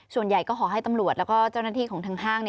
ส่วนใหญ่ก็ขอให้ตำรวจแล้วก็เจ้าหน้าที่ของทางห้าง